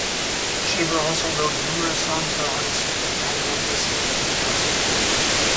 Shaver also wrote numerous songs for artists such as Patty Loveless and Willie Nelson.